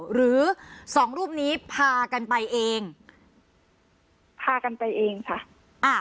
หรือสองรูปนี้พากันไปเองพากันไปเองค่ะอ่า